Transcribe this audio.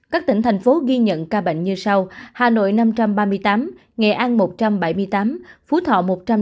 các tỉnh thành phố ghi nhận ca bệnh như sau hà nội năm trăm ba mươi tám nghệ an một trăm bảy mươi tám phú thọ một trăm năm mươi